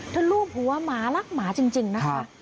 รูปหัวหมารักหมาจริงนะคะ